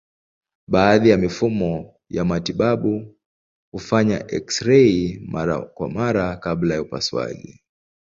Baadhi ya mifumo ya matibabu hufanya eksirei mara kwa mara kabla ya upasuaji.